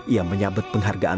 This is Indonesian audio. yang menyambut penghargaan